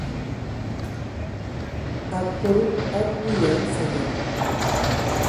Akol akui ya a mfənge.